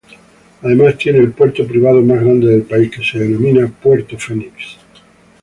Además tiene el puerto privado más grande del país que se denomina "Puerto Fenix".